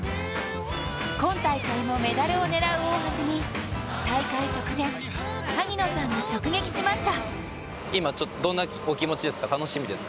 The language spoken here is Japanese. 今大会もメダルを狙う大橋に大会直前、萩野さんが直撃しました。